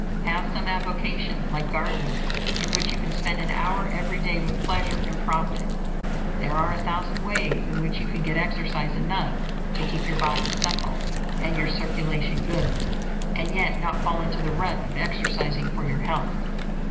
Have some avocation like gardening in which you can spend an hour every day with pleasure and profit; there are a thousand ways in which you can get exercise enough to keep your body supple and your circulation good, and yet not fall into the rut of "exercising for your health."